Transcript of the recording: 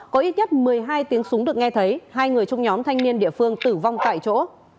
có ít nhất một mươi hai tiếng súng được nghe thấy hai người trong nhóm thanh niên địa phương tử vong tại chỗ